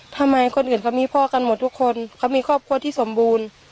ทำไมคนอื่นเขามีพ่อกันหมดทุกคนเขามีครอบครัวที่สมบูรณ์